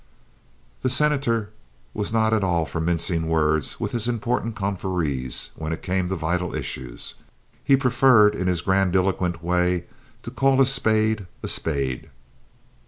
The Senator was not at all for mincing words with his important confreres, when it came to vital issues. He preferred, in his grandiloquent way, to call a spade a spade.